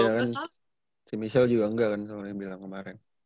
iya kan si michelle juga enggak kan soalnya bilang kemarin